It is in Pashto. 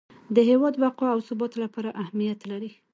د هیواد بقا او ثبات لپاره اهمیت لري.